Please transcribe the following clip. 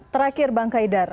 terakhir bang kaidar